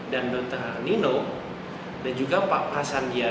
dan dokter nino dan juga dokter pak rassandhya